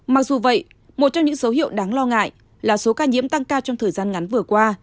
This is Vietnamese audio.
mặc dù vậy một trong những dấu hiệu đáng lo ngại là số ca nhiễm tăng cao trong thời gian ngắn vừa qua